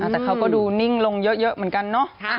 แต่เขาก็ดูนิ่งลงเยอะเหมือนกันเนอะ